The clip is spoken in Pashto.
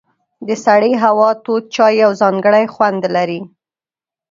د سړې هوا تود چای یو ځانګړی خوند لري.